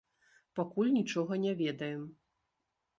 Пакуль нічога не ведаем.